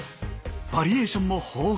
バリエーションも豊富。